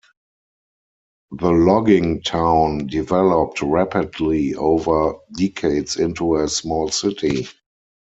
The logging town developed rapidly over decades into a small city.